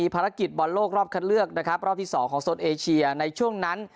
ภารกิจบอลโลกรอบคัดเลือกนะครับรอบที่๒ของโซนเอเชียในช่วงนั้น